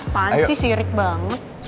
pansi sirik banget